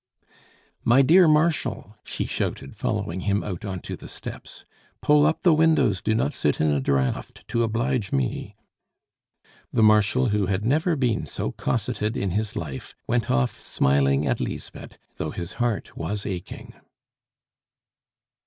"My dear Marshal," she shouted, following him out on to the steps, "pull up the windows, do not sit in a draught, to oblige me!" The Marshal, who had never been so cosseted in his life, went off smiling at Lisbeth, though his heart was aching.